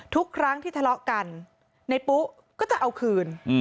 ทุกครั้งที่ทะเลาะกันในปุ๊ก็จะเอาคืน